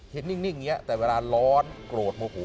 เห็นนิ่งนี่แต่เวลาร้อนกรดโมโฮ